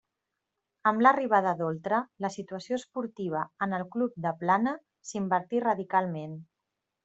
Amb l'arribada d'Oltra la situació esportiva en el club de Plana s'invertí radicalment.